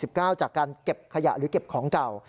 จากการเก็บขยะหรือเก็บของเก่า